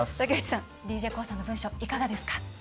ＤＪＫＯＯさんの文章いかがですか？